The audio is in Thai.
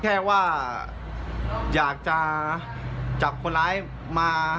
แค่ว่าอยากจะจับคนร้ายมา